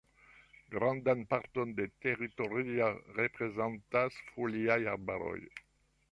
Grandan parton de teritoria reprezentas foliaj arbaroj.